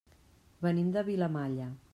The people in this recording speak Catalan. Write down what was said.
Venim de Vilamalla.